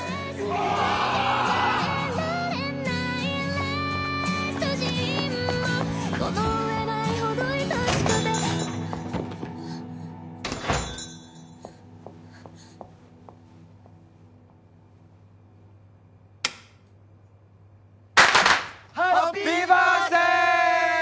おお！ハッピーバースデー！